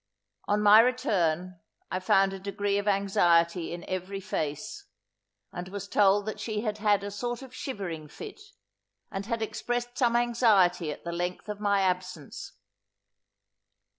On my return I found a degree of anxiety in every face, and was told that she had had a sort of shivering fit, and had expressed some anxiety at the length of my absence.